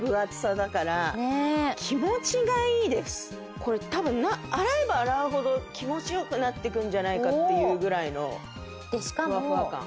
ホントにこれ多分洗えば洗うほど気持ち良くなっていくんじゃないかっていうぐらいのふわふわ感。